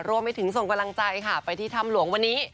รวมไปถึงส่งกำลังใจค่ะไปที่ถ้ำหลวงวันนี้